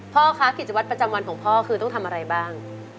พ่อคะกิจวัตรประจำวันของพ่อคือต้องทำอะไรบ้าง